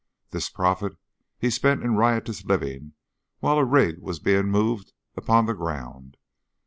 This profit he spent in riotous living while a rig was being moved upon the ground.